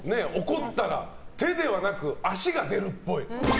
怒ったら手ではなく足が出るっぽい。